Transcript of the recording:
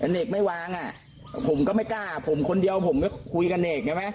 เนกไม่วางผมก็ไม่กล้าคนเดียวผมก็คุยกับเนก